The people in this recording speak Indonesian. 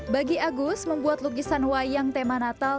bagi agus membuat lukisan wayang tema natal